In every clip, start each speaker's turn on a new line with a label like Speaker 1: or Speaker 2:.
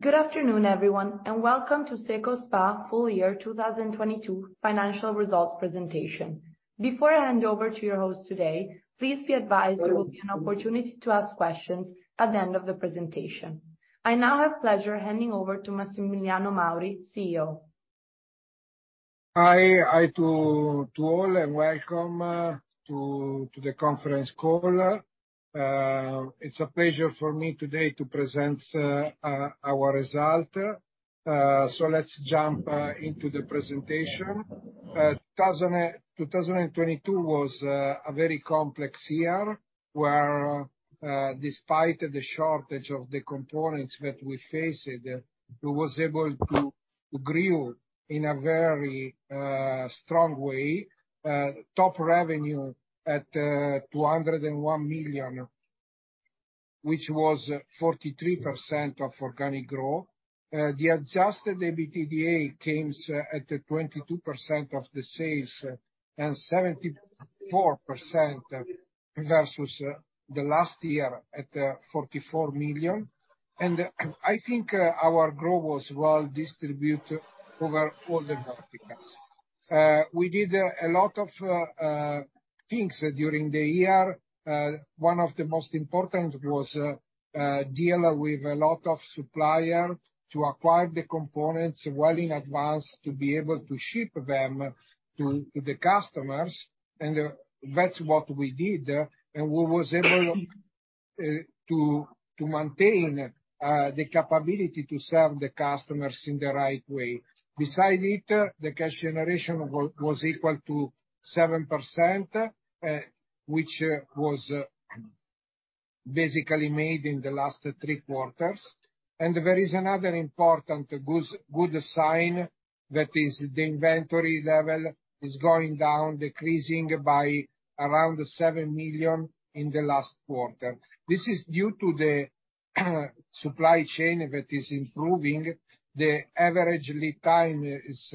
Speaker 1: Good afternoon, everyone, and welcome to SECO S.p.A. Full Year 2022 financial results presentation. Before I hand over to your host today, please be advised there will be an opportunity to ask questions at the end of the presentation. I now have pleasure handing over to Massimo Mauri, CEO.
Speaker 2: Hi to all and welcome to the conference call. It's a pleasure for me today to present our result. Let's jump into the presentation. 2022 was a very complex year, where, despite the shortage of the components that we faced, we was able to grow in a very strong way. Top revenue at 201 million, which was 43% of organic growth. The adjusted EBITDA came at 22% of the sales, and 74% versus the last year at 44 million. I think our growth was well distributed over all the verticals. We did a lot of things during the year. One of the most important was deal with a lot of supplier to acquire the components well in advance to be able to ship them to the customers. That's what we did. We was able to maintain the capability to serve the customers in the right way. Beside it, the cash generation was equal to 7%, which was basically made in the last three quarters. There is another important good sign, that is the inventory level is going down, decreasing by around 7 million in the last quarter. This is due to the supply chain that is improving. The average lead time is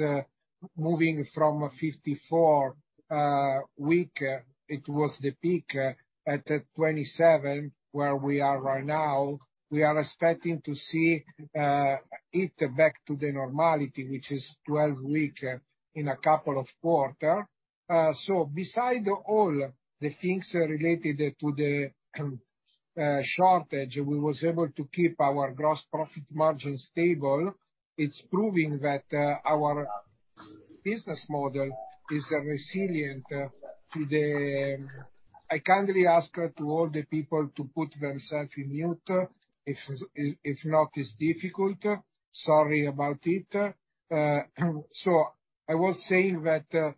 Speaker 2: moving from 54 week, it was the peak, at 27, where we are right now. We are expecting to see it back to the normality, which is 12 week in a couple of quarter. Beside all the things related to the shortage, we was able to keep our gross profit margin stable. It's proving that our business model is resilient to the... I kindly ask to all the people to put themselves in mute if not it's difficult. Sorry about it. I was saying that the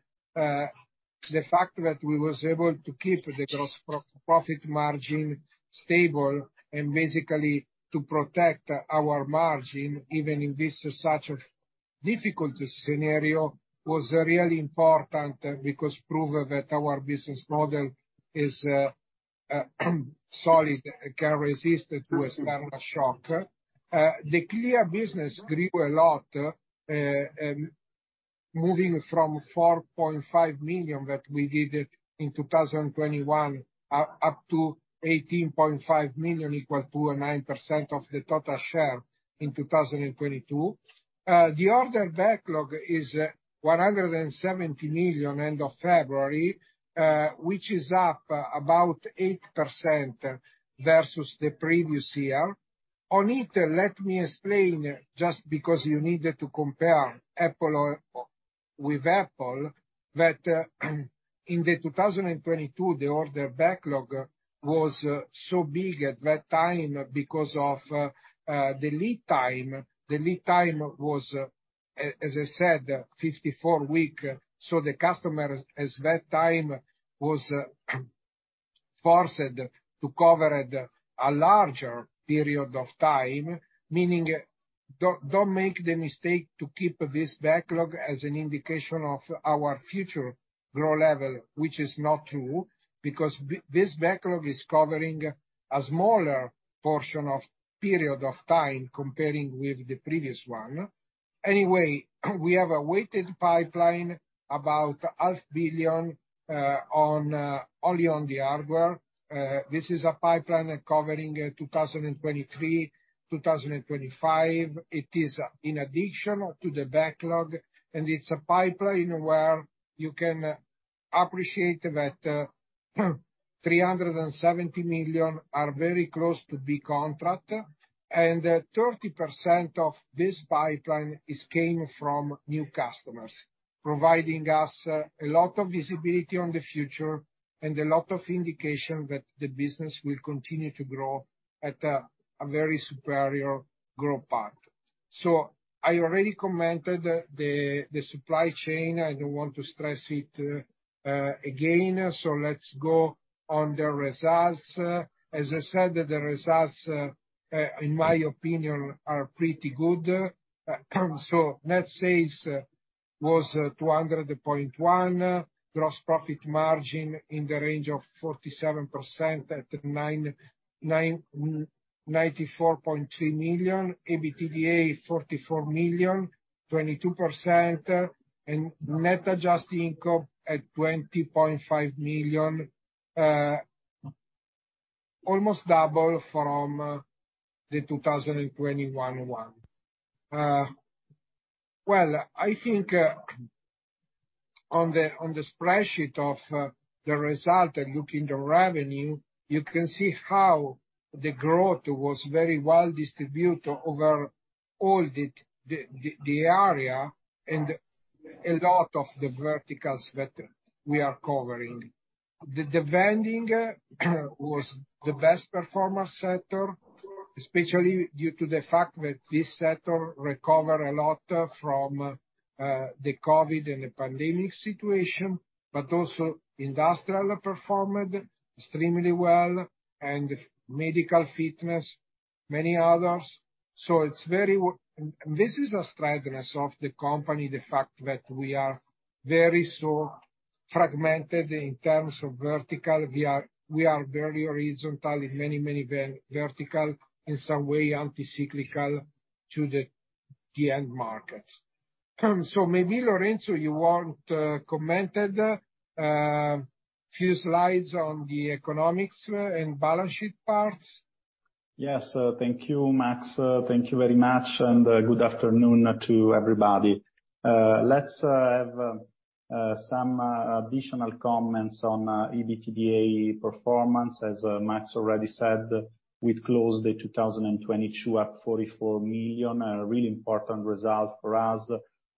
Speaker 2: fact that we was able to keep the gross profit margin stable and basically to protect our margin, even in this such a difficult scenario, was really important because prove that our business model is solid, can resist to external shock. The Clea business grew a lot, moving from 4.5 million that we did it in 2021, up to 18.5 million, equal to 9% of the total share in 2022. The order backlog is 170 million end of February, which is up about 8% versus the previous year. On it, let me explain, just because you needed to compare Apple with Apple, that in 2022, the order backlog was so big at that time because of the lead time. The lead time was, as I said, 54 week, so the customer at that time was forced to cover a larger period of time. Meaning don't make the mistake to keep this backlog as an indication of our future growth level, which is not true, because this backlog is covering a smaller portion of period of time comparing with the previous one. We have a weighted pipeline about EUR half billion only on the hardware. This is a pipeline covering 2023, 2025. It is in addition to the backlog, it's a pipeline where you can appreciate that 370 million are very close to be contract. 30% of this pipeline is came from new customers, providing us a lot of visibility on the future and a lot of indication that the business will continue to grow at a very superior growth path. I already commented the supply chain. I don't want to stress it again. Let's go on the results. As I said, the results, in my opinion, are pretty good. Net sales was 200.1. Gross profit margin in the range of 47% at 94.3 million. EBITDA 44 million, 22%. Net adjusted income at 20.5 million, almost double from 2021. Well, I think, on the spreadsheet of the result and looking the revenue, you can see how the growth was very well distributed over all the area and a lot of the verticals that we are covering. The vending was the best performer sector, especially due to the fact that this sector recover a lot from the COVID and the pandemic situation. also industrial performed extremely well, and medical fitness, many others. It's very. This is a strength of the company, the fact that we are very so fragmented in terms of vertical. We are very horizontal in many, many vertical, in some way anti-cyclical to the end markets. maybe Lorenzo, you want to commented few slides on the economics and balance sheet parts.
Speaker 3: Yes. Thank you, Max. Thank you very much, and good afternoon to everybody. Let's have some additional comments on EBITDA performance. As Max already said, we've closed 2022 at 44 million. A really important result for us.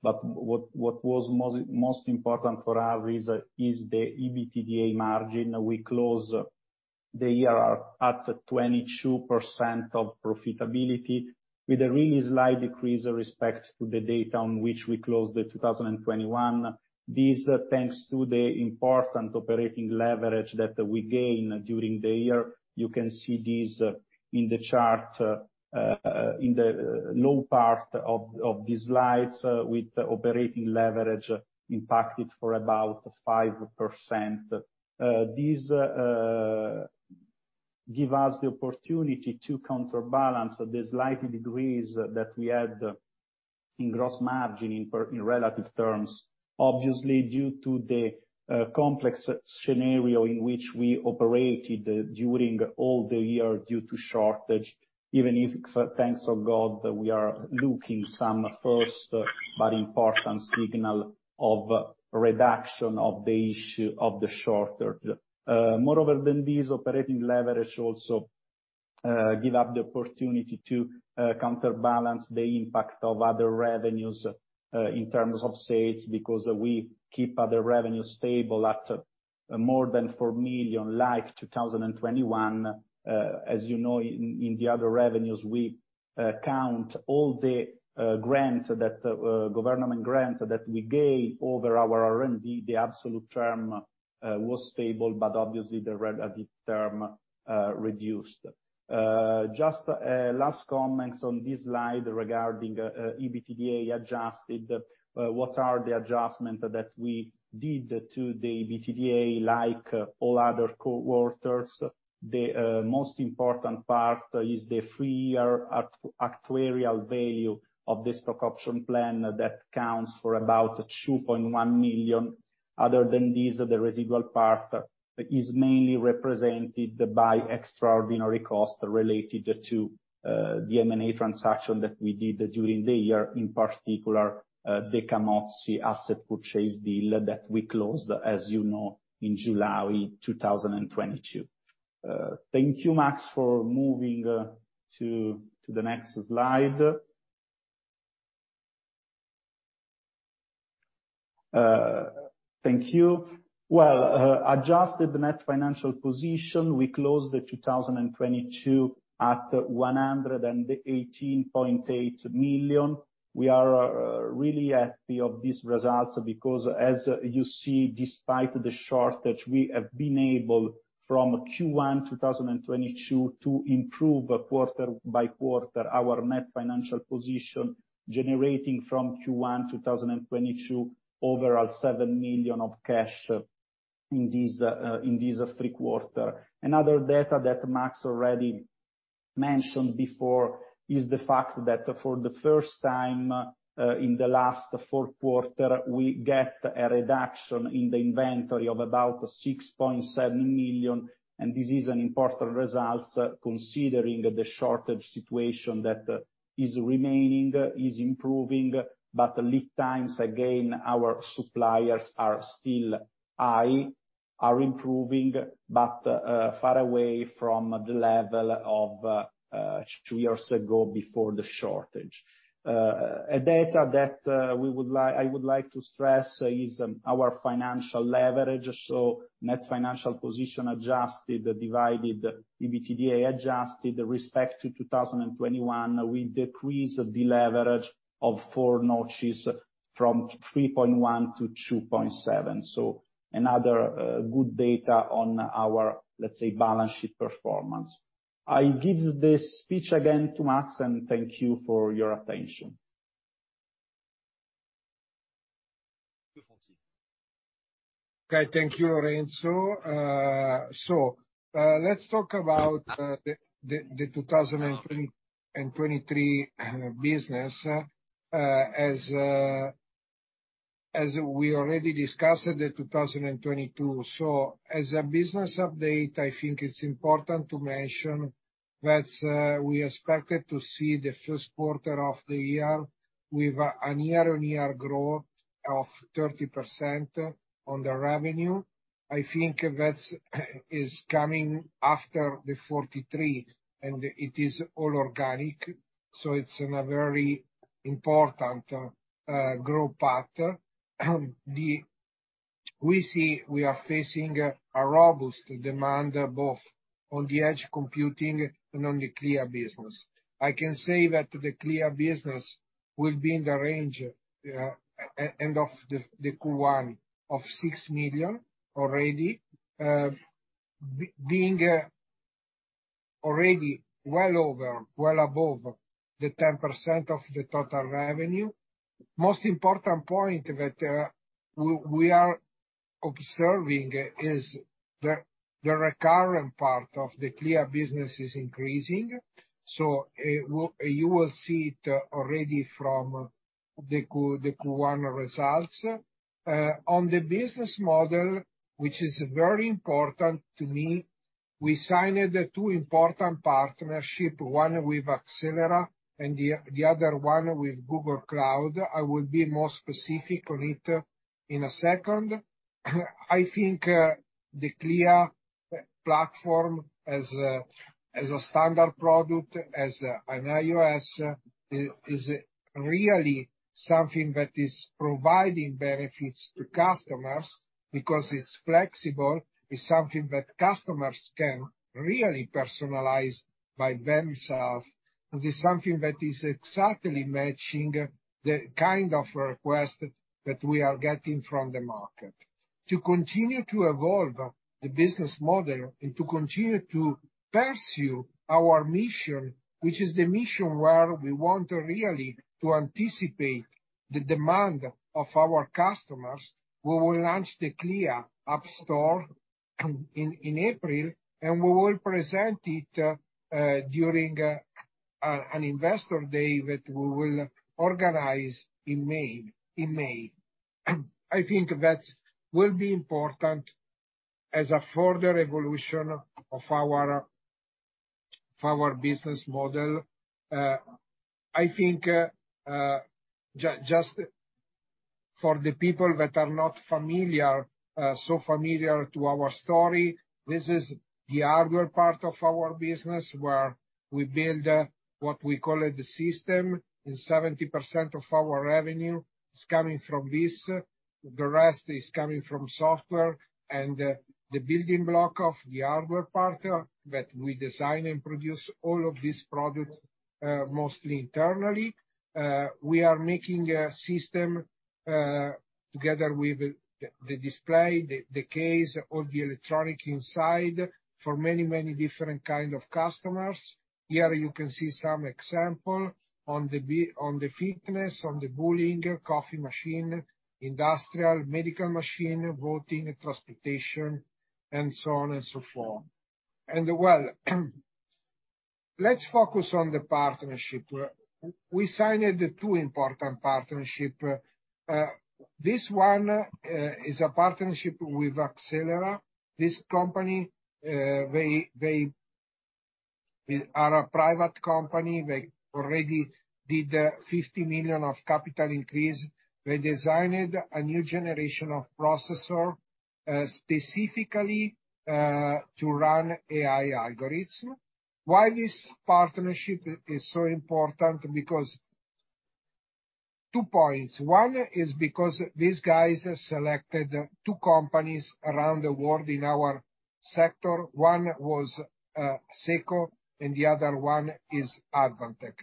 Speaker 3: What was most important for us is the EBITDA margin. We close the year at 22% of profitability with a really slight decrease in respect to the data on which we closed 2021. These, thanks to the important operating leverage that we gain during the year. You can see these in the chart in the low part of the slides, with operating leverage impacted for about 5%. These give us the opportunity to counterbalance the slight decrease that we had in gross margin in relative terms. Obviously, due to the complex scenario in which we operated during all the year due to shortage. Thanks to God, we are looking some first but important signal of reduction of the issue of the shortage. Operating leverage also, give us the opportunity to counterbalance the impact of other revenues, in terms of sales, because we keep other revenues stable at more than 4 million, like 2021. You know, in the other revenues, we count all the grants that government grants that we gave over our R&D. The absolute term was stable, but obviously the relative term reduced. Just last comments on this slide regarding EBITDA adjusted. What are the adjustments that we did to the EBITDA, like all other coworkers, the most important part is the three-year actuarial value of the stock option plan that counts for about 2.1 million. Other than this, the residual part is mainly represented by extraordinary costs related to the M&A transaction that we did during the year. In particular, the Camozzi asset purchase deal that we closed, as you know, in July 2022. Thank you, Max, for moving to the next slide. Thank you. Well, adjusted the Net Financial Position, we closed 2022 at 118.8 million. We are really happy of these results, because as you see, despite the shortage, we have been able, from Q1 2022, to improve quarter by quarter our Net Financial Position, generating from Q1 2022 overall 7 million of cash in these three quarter. This is an important result considering the shortage situation that is remaining, is improving. Lead times, again, our suppliers are still high, are improving, but far away from the level of two years ago before the shortage. A data that I would like to stress is our financial leverage. Net Financial Position adjusted, divided EBITDA adjusted with respect to 2021. We decrease the leverage of four notches from 3.1 to 2.7. Another good data on our, let's say, balance sheet performance. I give the speech again to Max. Thank you for your attention.
Speaker 2: Okay, thank you, Lorenzo. Let's talk about the 2023 business. As we already discussed the 2022. As a business update, I think it's important to mention that we expected to see the first quarter of the year with a year-on-year growth of 30% on the revenue. I think that's is coming after the 43%, and it is all organic. It's in a very important growth path. We see we are facing a robust demand both on the edge computing and on the Clea business. I can say that the Clea business will be in the range at end of the Q1 of 6 million already. Being already well over, well above the 10% of the total revenue. Most important point that we are observing is the recurrent part of the Clea business is increasing. You will see it already from the Q1 results. On the business model, which is very important to me, we signed the two important partnership, one with Axelera and the other one with Google Cloud. I will be more specific on it in a second. I think the Clea platform as a standard product, as an iOS, is really something that is providing benefits to customers because it's flexible. It's something that customers can really personalize by themselves. This is something that is exactly matching the kind of request that we are getting from the market. To continue to evolve the business model and to continue to pursue our mission, which is the mission where we want really to anticipate the demand of our customers, we will launch the Clea Store in April, and we will present it during an Investor Day that we will organize in May. I think that will be important as a further evolution of our business model. I think, just for the people that are not familiar, so familiar to our story, this is the hardware part of our business where we build what we call it the system. 70% of our revenue is coming from this. The rest is coming from software and the building block of the hardware part that we design and produce all of this product mostly internally. We are making a system together with the display, the case, all the electronic inside for many, many different kind of customers. Here you can see some example on the fitness, on the bowling, coffee machine, industrial, medical machine, voting, transportation, and so on and so forth. Well, let's focus on the partnership. We signed the two important partnership. This one is a partnership with Axelera AI. This company, they are a private company. They already did 50 million of capital increase. They designed a new generation of processor specifically to run AI algorithm. Why this partnership is so important? Because two points. One is because these guys selected two companies around the world in our sector. One was SECO, and the other one is Advantech.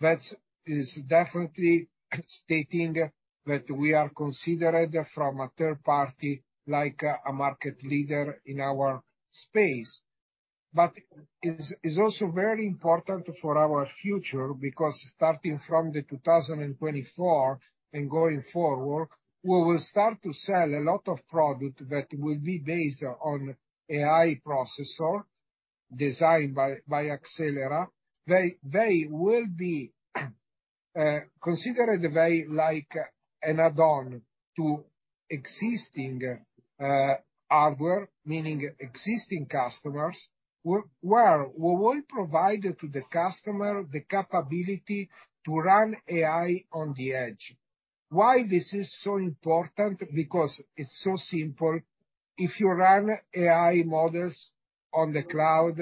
Speaker 2: That is definitely stating that we are considered from a third party like a market leader in our space. Is also very important for our future because starting from 2024 and going forward, we will start to sell a lot of product that will be based on AI processor designed by Axelera AI. They will be considered very like an add on to existing hardware, meaning existing customers. We will provide to the customer the capability to run AI on the edge. Why this is so important? Because it's so simple. If you run AI models on the cloud,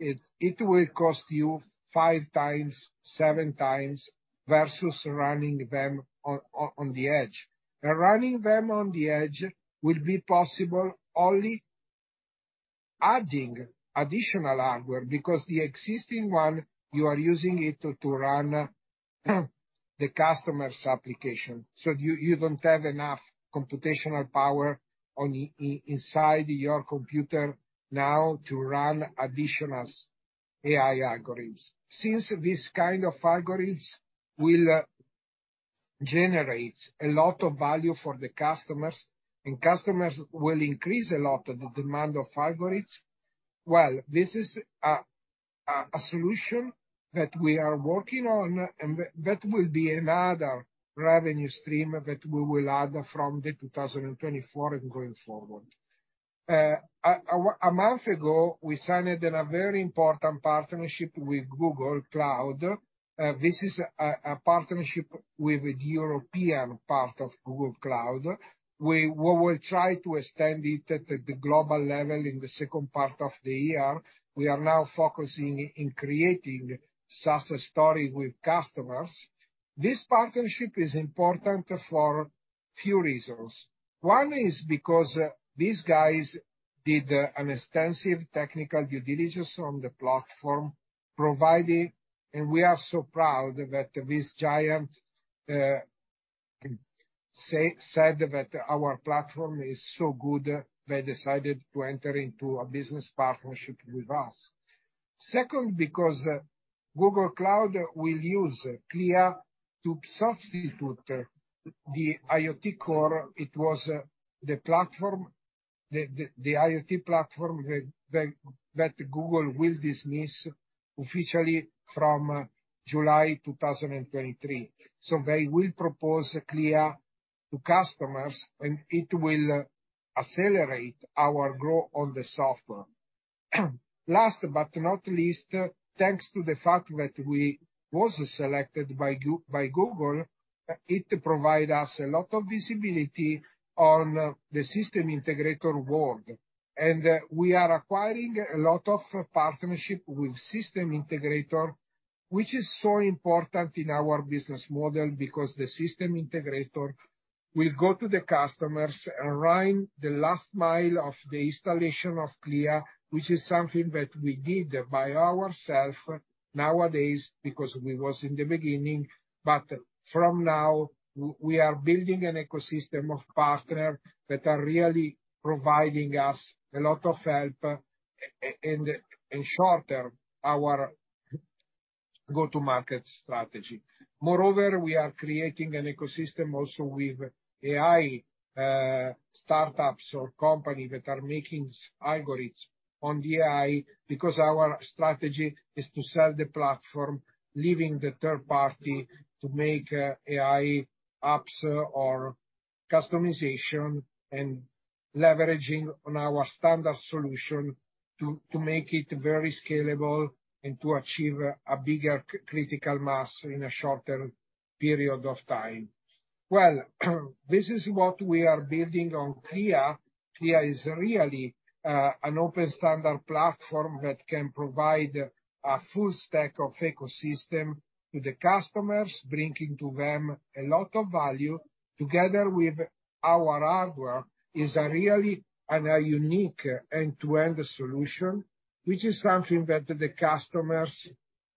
Speaker 2: it will cost you 5 times, 7 times versus running them on the edge. Running them on the edge will be possible only adding additional hardware because the existing one, you are using it to run the customer's application. You don't have enough computational power inside your computer now to run additional AI algorithms. This kind of algorithms will generate a lot of value for the customers, and customers will increase a lot the demand of algorithms, well, this is a solution that we are working on, and that will be another revenue stream that we will add from 2024 and going forward. A month ago, we signed in a very important partnership with Google Cloud. This is a partnership with the European part of Google Cloud. We will try to extend it at the global level in the second part of the year. We are now focusing in creating success story with customers. This partnership is important for few reasons. One is because these guys did an extensive technical due diligence on the platform provided, and we are so proud that this giant said that our platform is so good they decided to enter into a business partnership with us. Second, because Google Cloud will use Clea to substitute the IoT Core. It was the platform, the IoT platform that Google will dismiss officially from July 2023. They will propose Clea to customers and it will accelerate our growth on the software. Last but not least, thanks to the fact that we was selected by Google, it provide us a lot of visibility on the system integrator world. We are acquiring a lot of partnership with system integrator, which is so important in our business model because the system integrator will go to the customers and run the last mile of the installation of Clea, which is something that we did by ourselves nowadays because we was in the beginning. From now, we are building an ecosystem of partner that are really providing us a lot of help in the short-term, our go-to-market strategy. Moreover, we are creating an ecosystem also with AI startups or company that are making algorithms on the AI, because our strategy is to sell the platform, leaving the third party to make AI apps or customization and leveraging on our standard solution to make it very scalable and to achieve a bigger critical mass in a shorter period of time. This is what we are building on Clea. Clea is really an open standard platform that can provide a full stack of ecosystem to the customers, bringing to them a lot of value. Together with our hardware, is a really and a unique end-to-end solution, which is something that the customers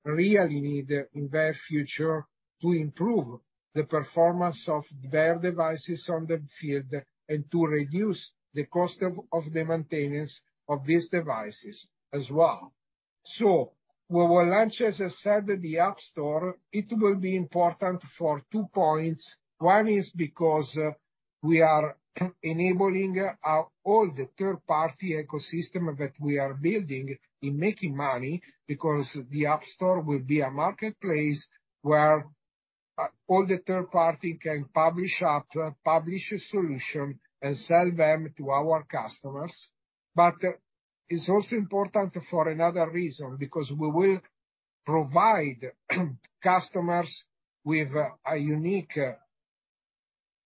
Speaker 2: really need in their future to improve the performance of their devices on the field and to reduce the cost of the maintenance of these devices as well. We will launch, as I said, the Clea Store. It will be important for 2 points. 1 is because we are enabling all the third-party ecosystem that we are building in making money because the Clea Store will be a marketplace where all the third party can publish app, publish solution, and sell them to our customers. It's also important for another reason, because we will provide customers with a unique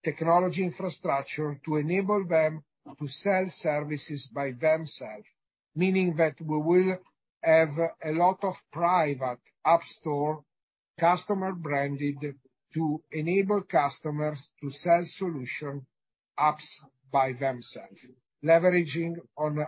Speaker 2: technology infrastructure to enable them to sell services by themselves. Meaning that we will have a lot of private app store customer-branded to enable customers to sell solution apps by themselves, leveraging on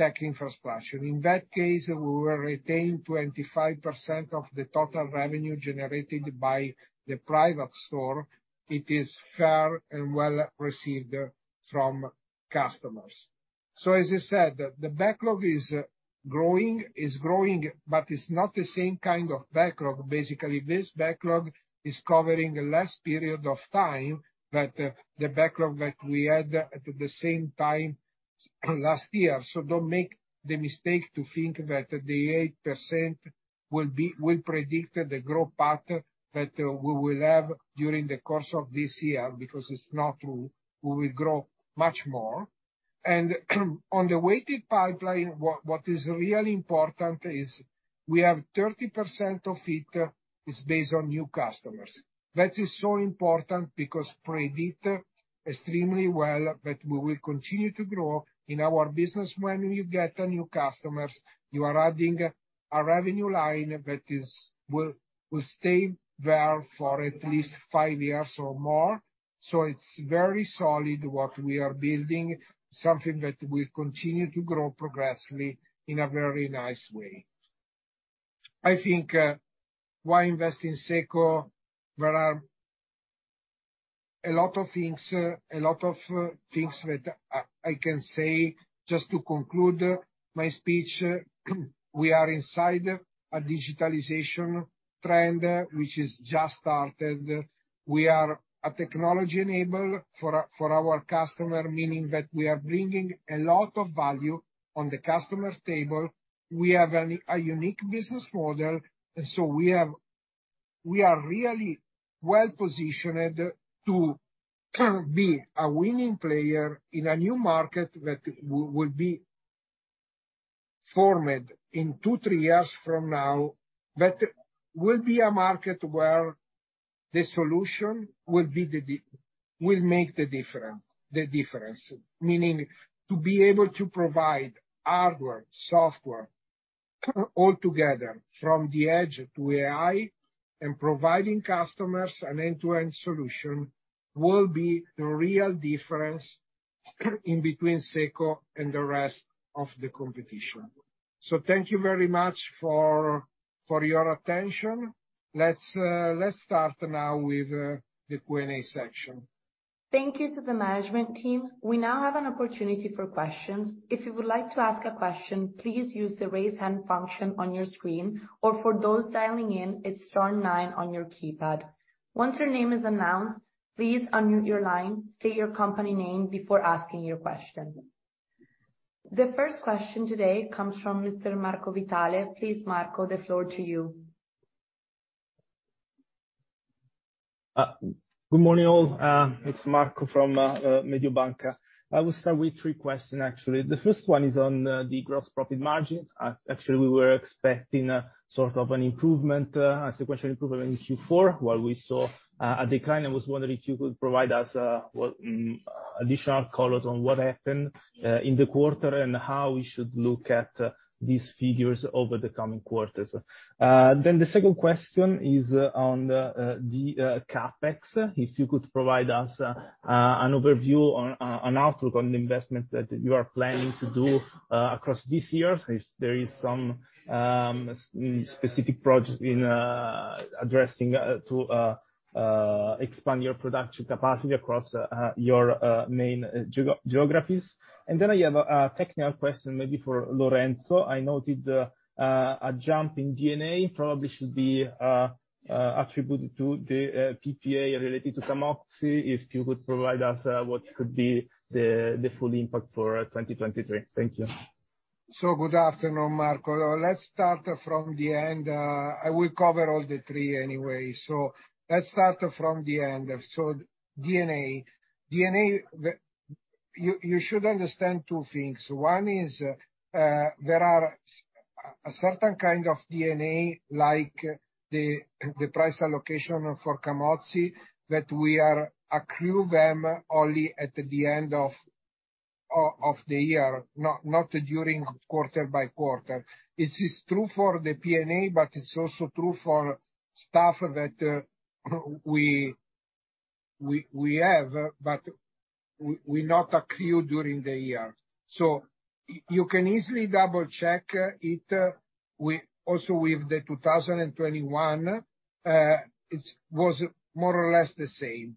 Speaker 2: our tech infrastructure. In that case, we will retain 25% of the total revenue generated by the private store. It is fair and well-received from customers. As I said, the backlog is growing. Is growing, but it's not the same kind of backlog. Basically, this backlog is covering a less period of time that the backlog that we had at the same time last year. Don't make the mistake to think that the 8% will predict the growth pattern that we will have during the course of this year, because it's not true. We will grow much more. On the weighted pipeline, what is really important is we have 30% of it is based on new customers. That is so important because predict extremely well that we will continue to grow in our business. When you get a new customers, you are adding a revenue line that will stay there for at least five years or more. It's very solid what we are building, something that will continue to grow progressively in a very nice way. I think, why invest in SECO? There are a lot of things that I can say just to conclude my speech. We are inside a digitalization trend which has just started. We are a technology enabler for our customer, meaning that we are bringing a lot of value on the customer's table. We have a unique business model. We are really well-positioned to be a winning player in a new market that will be formed in two, three years from now, but will be a market where the solution will make the difference, meaning to be able to provide hardware, software all together from the edge to AI and providing customers an end-to-end solution will be the real difference in between SECO and the rest of the competition. Thank you very much for your attention. Let's start now with the Q&A section.
Speaker 1: Thank you to the management team. We now have an opportunity for questions. If you would like to ask a question, please use the Raise Hand function on your screen, or for those dialing in, it's star nine on your keypad. Once your name is announced, please unmute your line, state your company name before asking your question. The first question today comes from Mr. Marco Vitale. Please, Marco, the floor to you.
Speaker 4: Good morning, all. It's Marco from Mediobanca. I will start with three question, actually. The first one is on the gross profit margin. Actually, we were expecting a sort of an improvement, a sequential improvement in Q4, while we saw a decline. I was wondering if you could provide us what additional colors on what happened in the quarter and how we should look at these figures over the coming quarters. The second question is on the CapEx, if you could provide us an overview on an outlook on the investments that you are planning to do across this year, if there is some specific projects in addressing to expand your production capacity across your main geographies. I have a technical question, maybe for Lorenzo. I noted a jump in D&A, probably should be attributed to the PPA related to some ops. If you could provide us what could be the full impact for 2023. Thank you.
Speaker 2: Good afternoon, Marco. Let's start from the end. I will cover all the three anyway. Let's start from the end. D&A. D&A, you should understand two things. One is, there are a certain kind of D&A, like the price allocation for Camozzi, that we are accrue them only at the end of the year, not during quarter by quarter. This is true for the P&A, but it's also true for staff that we have, but we not accrue during the year. You can easily double-check it. Also with 2021, it was more or less the same.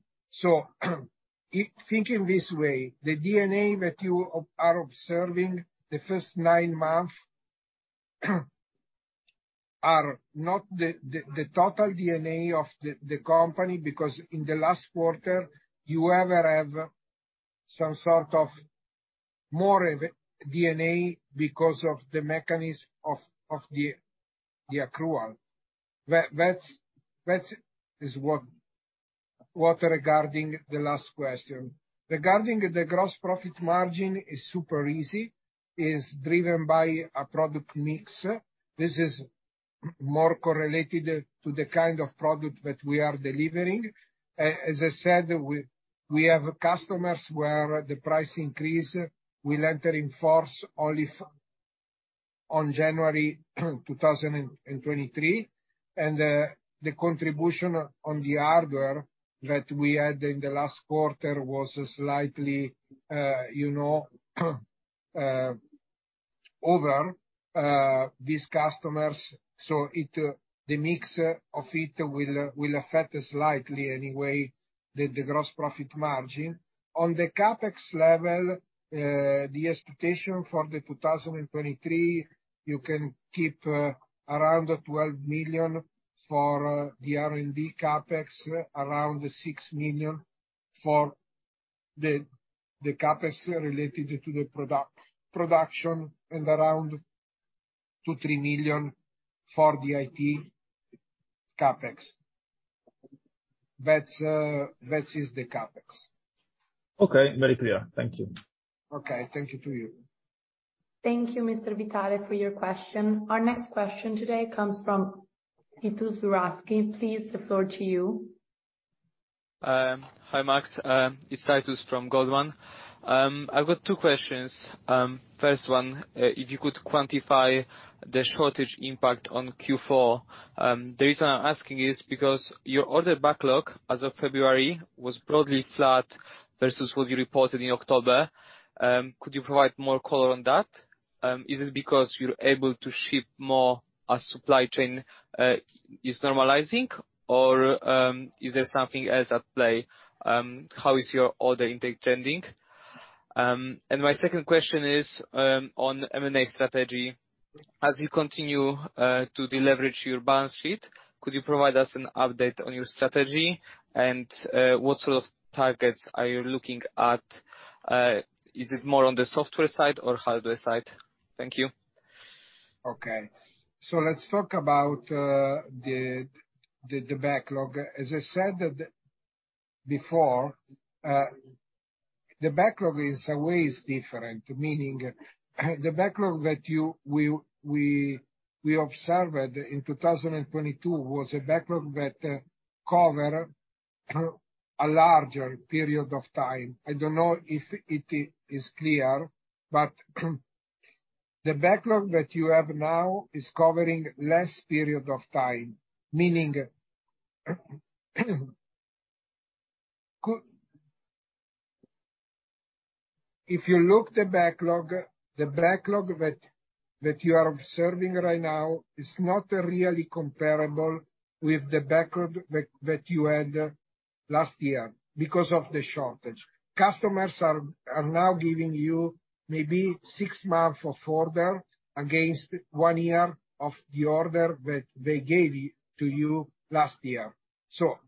Speaker 2: Thinking this way, the D&A that you are observing the first nine months are not the total D&A of the company because in the last quarter, you ever have some sort of more of D&A because of the mechanism of the accrual. That's what regarding the last question. Regarding the gross profit margin is super easy, is driven by a product mix. This is more correlated to the kind of product that we are delivering. As I said, we have customers where the price increase will enter in force only on January 2023. The contribution on the hardware that we had in the last quarter was slightly, you know, over these customers. It the mix of it will affect slightly anyway the gross profit margin. On the CapEx level, the expectation for 2023, you can keep, around 12 million for the R&D CapEx, around 6 million for the CapEx related to the product-production, and around 2-3 million for the IT CapEx. That's, that is the CapEx.
Speaker 4: Okay. Very clear. Thank you.
Speaker 2: Okay. Thank you to you.
Speaker 1: Thank you, Mr. Vitale, for your question. Our next question today comes from Tytus Żurawski. Please, the floor to you.
Speaker 5: Hi, Max. It's Tytus from Goldman. I've got two questions. First one, if you could quantify the shortage impact on Q4. The reason I'm asking is because your order backlog as of February was broadly flat versus what you reported in October. Could you provide more color on that? Is it because you're able to ship more as supply chain is normalizing or is there something else at play? How is your order intake trending? My second question is on M&A strategy. As you continue to deleverage your balance sheet, could you provide us an update on your strategy and what sort of targets are you looking at? Is it more on the software side or hardware side? Thank you.
Speaker 2: Okay. Let's talk about the backlog. As I said before, the backlog is a way is different. Meaning, the backlog that we observed in 2022 was a backlog that cover a larger period of time. I don't know if it is clear, but the backlog that you have now is covering less period of time. Meaning, if you look the backlog, the backlog that you are observing right now is not really comparable with the backlog that you had last year because of the shortage. Customers are now giving you maybe 6 months of order against 1 year of the order that they gave to you last year.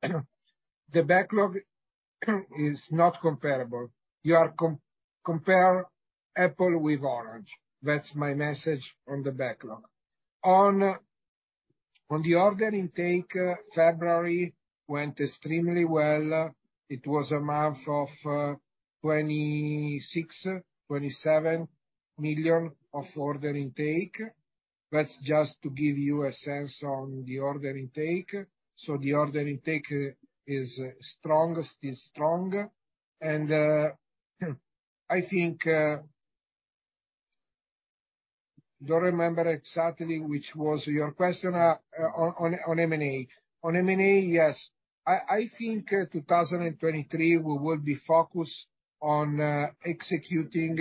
Speaker 2: The backlog is not comparable. You are compare apple with orange. That's my message on the backlog. On the order intake, February went extremely well. It was a month of 26 million-27 million of order intake. That's just to give you a sense on the order intake. The order intake is strong. I think... Don't remember exactly which was your question on M&A. On M&A, yes. I think, 2023, we will be focused on executing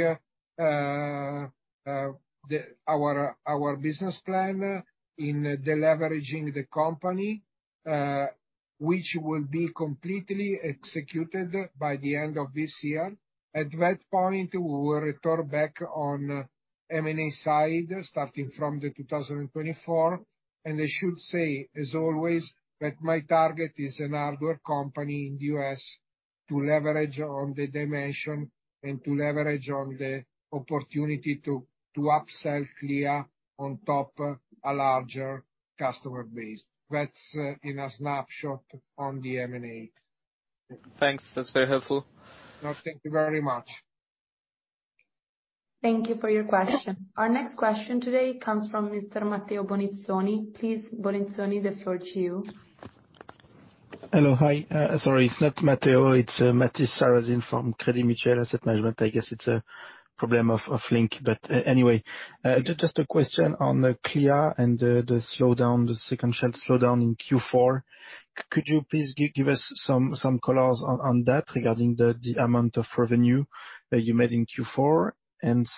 Speaker 2: our business plan in deleveraging the company, which will be completely executed by the end of this year. At that point, we will return back on M&A side starting from the 2024, I should say, as always, that my target is an hardware company in the US to leverage on the dimension and to leverage on the opportunity to upsell Clea on top a larger customer base. That's in a snapshot on the M&A.
Speaker 5: Thanks. That's very helpful.
Speaker 2: No, thank you very much.
Speaker 1: Thank you for your question. Our next question today comes from Mr. Matteo Bonizzoni. Please, Bonizzoni, the floor to you.
Speaker 6: Hello. Hi. Sorry, it's not Matteo, it's Matthis Sarrazin from Crédit Mutuel Asset Management. I guess it's a problem of link. Anyway, just a question on the Clea and the slowdown, the second shelf slowdown in Q4. Could you please give us some colors on that regarding the amount of revenue that you made in Q4?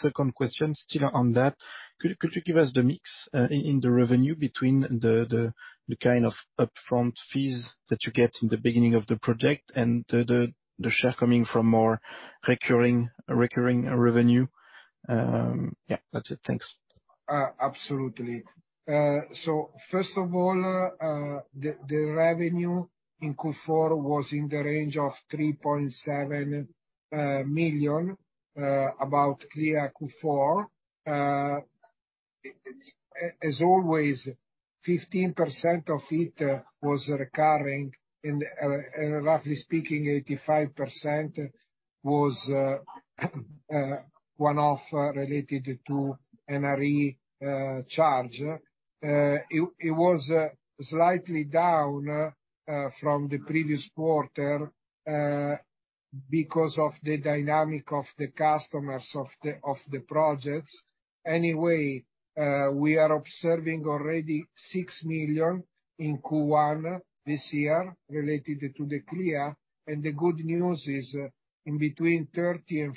Speaker 6: Second question, still on that. Could you give us the mix in the revenue between the kind of upfront fees that you get in the beginning of the project and the share coming from more recurring revenue? Yeah, that's it. Thanks.
Speaker 2: Absolutely. First of all, the revenue in Q4 was in the range of 3.7 million about Clea Q4. As always, 15% of it was recurring and roughly speaking, 85% was one-off related to NRE charge. It was slightly down from the previous quarter because of the dynamic of the customers of the projects. We are observing already 6 million in Q1 this year related to the Clea, and the good news is, in between 30%-40%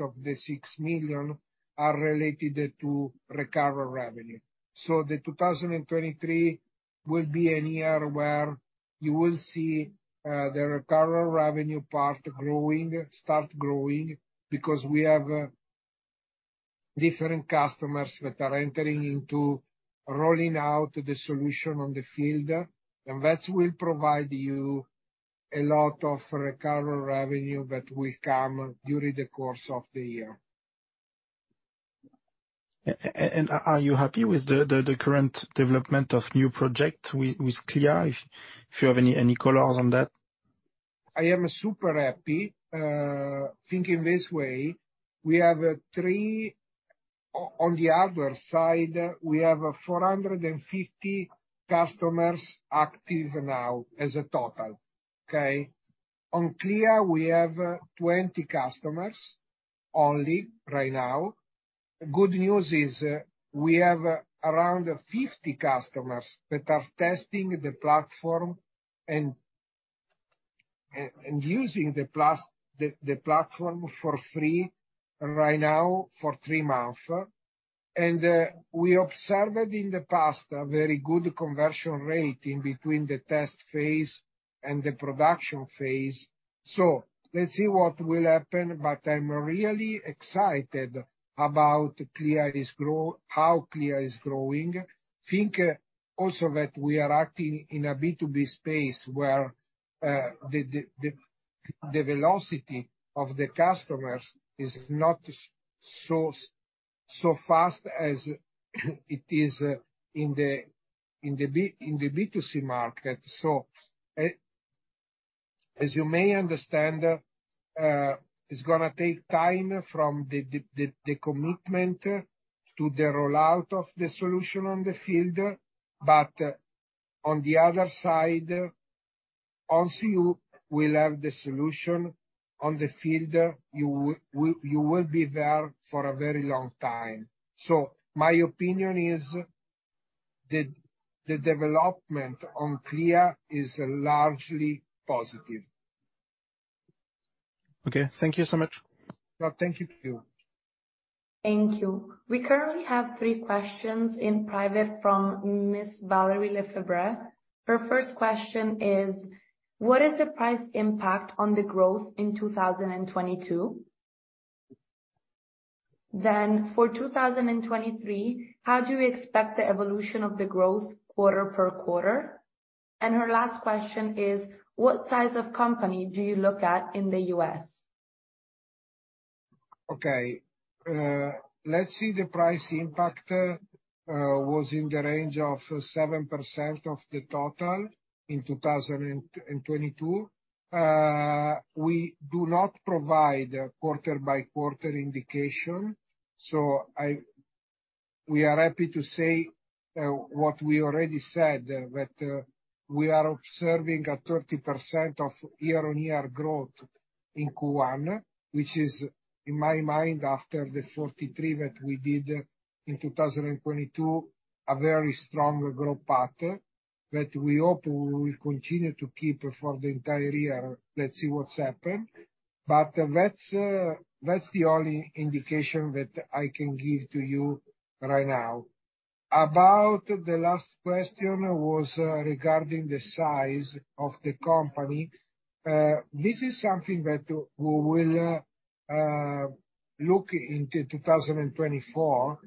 Speaker 2: of the 6 million are related to recurring revenue. The 2023 will be a year where you will see the recurring revenue part growing, start growing, because we have different customers that are entering into rolling out the solution on the field. That will provide you a lot of recurring revenue that will come during the course of the year.
Speaker 6: Are you happy with the current development of new project with Clea? If you have any colors on that?
Speaker 2: I am super happy. Think in this way, we have, three... On the other side, we have 450 customers active now as a total. Okay? On Clea, we have, 20 customers only right now. The good news is, we have around 50 customers that are testing the platform and using the platform for free right now for three months. We observed in the past a very good conversion rate in between the test phase and the production phase. Let's see what will happen, but I'm really excited about how Clea is growing. Think also that we are acting in a B2B space where the velocity of the customers is not so fast as it is in the B2C market. As you may understand, it's gonna take time from the commitment to the rollout of the solution on the field. On the other side, once you will have the solution on the field, you will be there for a very long time. My opinion is the development on Clea is largely positive.
Speaker 6: Okay. Thank you so much.
Speaker 2: Well, thank you to you.
Speaker 1: Thank you. We currently have three questions in private from Miss Valérie Lefebvre. Her first question is: What is the price impact on the growth in 2022? For 2023, how do you expect the evolution of the growth quarter per quarter? Her last question is: What size of company do you look at in the U.S.?
Speaker 2: Let's see the price impact was in the range of 7% of the total in 2022. We do not provide a quarter by quarter indication, we are happy to say what we already said, that we are observing a 30% of year-on-year growth in Q1, which is, in my mind, after the 43 that we did in 2022, a very strong growth path that we hope we will continue to keep for the entire year. Let's see what's happened. That's the only indication that I can give to you right now. About the last question was regarding the size of the company. This is something that we will look into 2024.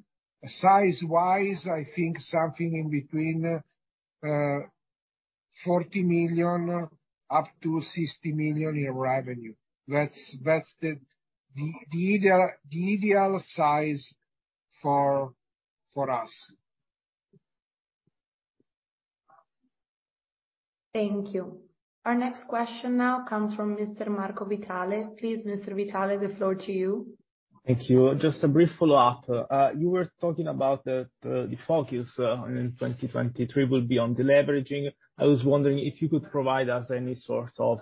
Speaker 2: Size-wise, I think something in between, $40 million up to $60 million annual revenue. That's the ideal size for us.
Speaker 1: Thank you. Our next question now comes from Mr. Marco Vitale. Please, Mr. Vitale, the floor to you.
Speaker 4: Thank you. Just a brief follow-up. You were talking about that the focus in 2023 will be on deleveraging. I was wondering if you could provide us any sort of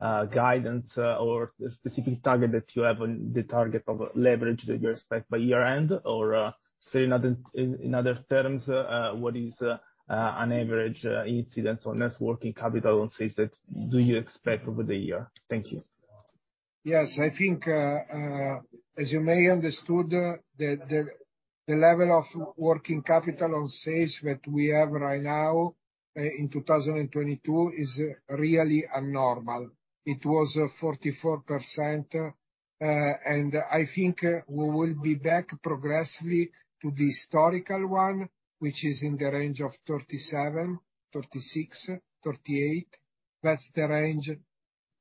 Speaker 4: guidance or specific target that you have on the target of leverage that you expect by year-end or say in other terms, what is an average incidence on net working capital on sales that do you expect over the year? Thank you.
Speaker 2: I think, as you may understood, the level of working capital on sales that we have right now, in 2022 is really abnormal. It was 44%, and I think we will be back progressively to the historical one, which is in the range of 37%, 36%, 38%. That's the range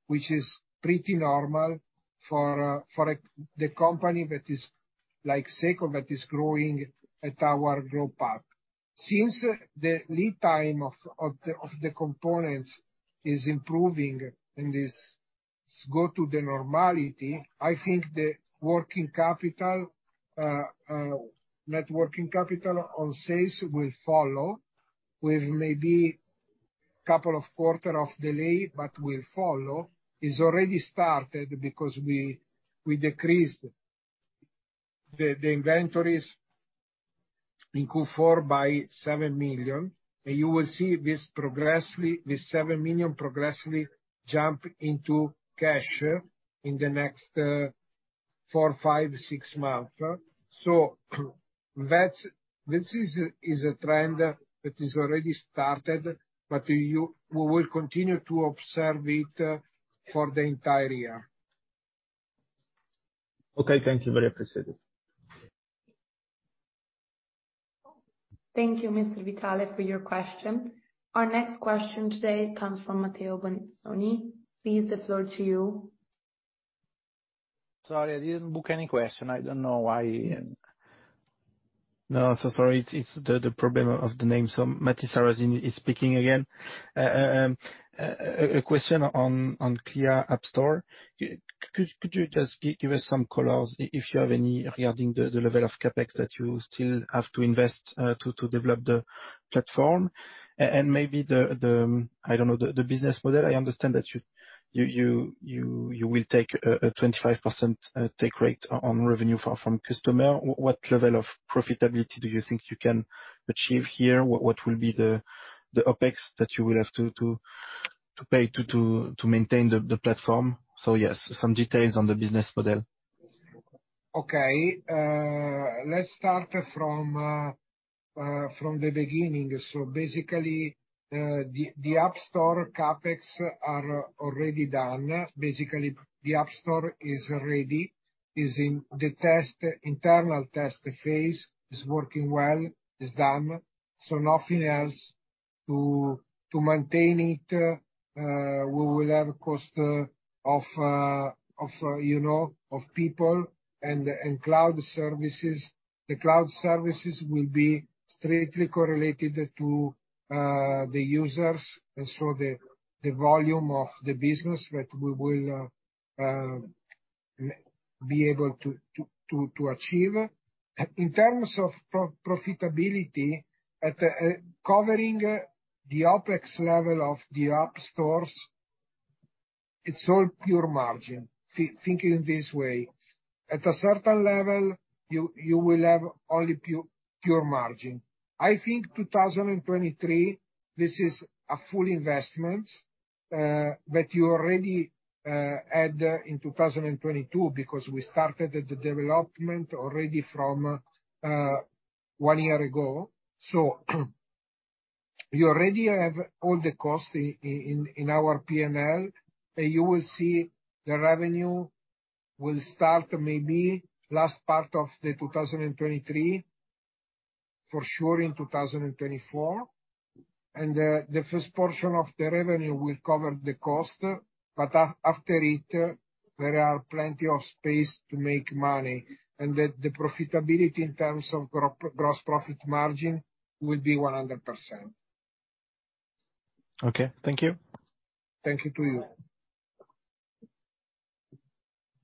Speaker 2: which is pretty normal for the company that is like SECO that is growing at our growth path. Since the lead time of the components is improving in this go to the normality, I think the working capital, net working capital on sales will follow with maybe couple of quarter of delay, but will follow. It's already started because we decreased the inventories in Q4 by 7 million. You will see this progressively, this 7 million progressively jump into cash in the next, four, five, six months. This is a trend that is already started, but we will continue to observe it for the entire year.
Speaker 4: Okay. Thank you. Very appreciated.
Speaker 1: Thank you, Mr. Vitale, for your question. Our next question today comes from Matteo Bonizzoni. Please, the floor to you.
Speaker 6: Sorry, he didn't book any question. I don't know why... Sorry, it's the problem of the name. Matthis Sarrazin is speaking again. A question on Clea App Store. Could you just give us some colors, if you have any, regarding the level of CapEx that you still have to invest to develop the platform? Maybe the business model, I understand that you will take a 25% take rate on revenue from customer. What level of profitability do you think you can achieve here? What will be the OpEx that you will have to pay to maintain the platform? Yes, some details on the business model.
Speaker 2: Okay. Let's start from the beginning. Basically, the Clea Store CapEx are already done. Basically, the Clea Store is ready. Is in the test, internal test phase. It's working well, it's done. Nothing else to maintain it. We will have cost of, you know, of people and cloud services. The cloud services will be strictly correlated to the users, the volume of the business that we will be able to achieve. In terms of pro-profitability at covering the OpEx level of the Clea Stores, it's all pure margin. Think in this way. At a certain level, you will have only pure margin. I think 2023, this is a full investment, that you already had in 2022, because we started the development already from 1 year ago. You already have all the costs in our PNL. You will see the revenue will start maybe last part of 2023, for sure in 2024. The first portion of the revenue will cover the cost, but after it, there are plenty of space to make money. The profitability in terms of gross profit margin will be 100%.
Speaker 6: Okay, thank you.
Speaker 2: Thank you to you.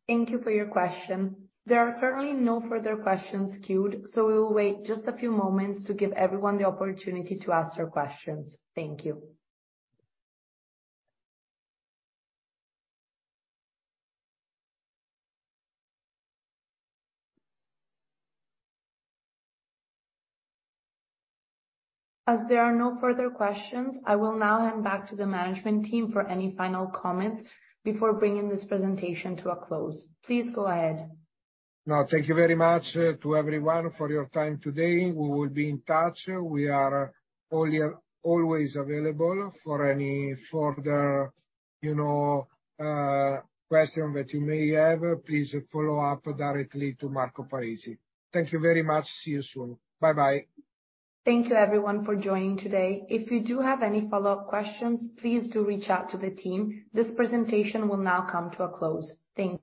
Speaker 1: Thank you for your question. There are currently no further questions queued, so we will wait just a few moments to give everyone the opportunity to ask their questions. Thank you. As there are no further questions, I will now hand back to the management team for any final comments before bringing this presentation to a close. Please go ahead.
Speaker 2: No, thank you very much, to everyone for your time today. We will be in touch. We are always available for any further, you know, question that you may have. Please follow up directly to Marco Parisi. Thank you very much. See you soon. Bye-bye.
Speaker 1: Thank you everyone for joining today. If you do have any follow-up questions, please do reach out to the team. This presentation will now come to a close. Thank you.